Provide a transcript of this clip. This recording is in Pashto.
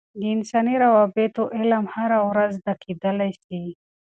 د انساني روابطو علم هره ورځ زده کیدلای سي.